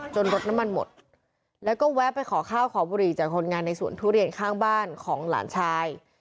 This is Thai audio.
รถน้ำมันหมดแล้วก็แวะไปขอข้าวขอบุหรี่จากคนงานในสวนทุเรียนข้างบ้านของหลานชาย